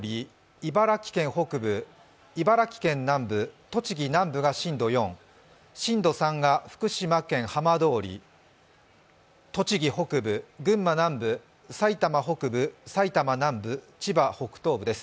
茨城県北部、茨城県南部、栃木南部が震度４、震度３が福島県浜通り栃木北部、群馬南部、埼玉北部埼玉南部、千葉北東部です。